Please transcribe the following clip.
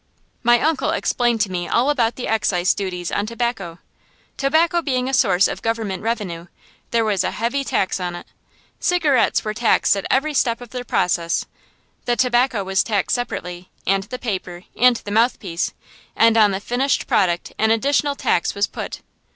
My uncle explained to me all about the excise duties on tobacco. Tobacco being a source of government revenue, there was a heavy tax on it. Cigarettes were taxed at every step of their process. The tobacco was taxed separately, and the paper, and the mouthpiece, and on the finished product an additional tax was put.